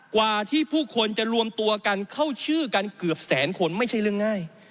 กว่าที่ผู้คนจะรวมตัวกันเข้าชื่อกันเกือบแสนคนไม่ใช่เรื่องง่าย